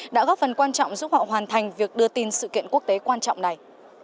đã góp phần quan trọng giúp họ hoàn thành việc đưa tin sự kiện quốc tế quan trọng này